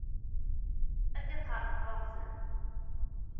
Ad d-iqerreb waɣzen.